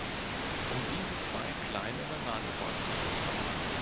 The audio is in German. Um diese zwei kleinere Nadelbäume.